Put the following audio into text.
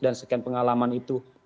dan sekian pengalaman itu